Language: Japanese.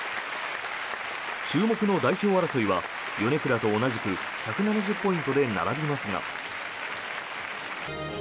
注目の代表争いは米倉と同じく１７０ポイントで並びますが。